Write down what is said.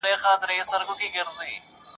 هدیره ده خو له مړو نه خالي ده